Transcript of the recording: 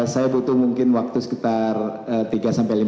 saya butuh mungkin waktu sekitar tiga sampai lima menit